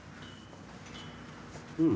うん。